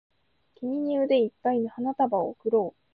君に腕いっぱいの花束を贈ろう